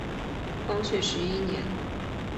光绪十一年乙酉科江西乡试第一名举人。